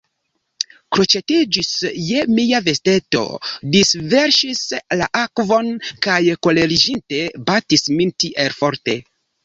Kroĉetiĝis je mia vesteto, disverŝis la akvon kaj koleriĝinte batis min tiel forte.